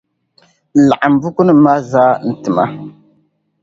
Laɣim bukunima maa zaa n-tima.